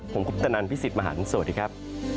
ผมคุปตนันพี่สิทธิมหันฯสวัสดีครับ